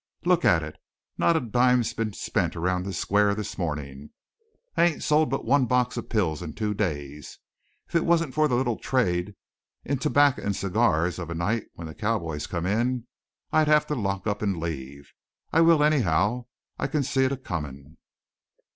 "Look at it not a dime been spent around this square this morning! I ain't sold but one box of pills in two days! If it wasn't for the little trade in t'backer and cigars of a night when the cowboys come in, I'd have to lock up and leave. I will anyhow I can see it a comin'."